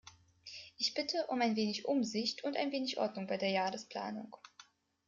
Ich bitte um ein wenig Umsicht und ein wenig Ordnung bei der Jahresplanung.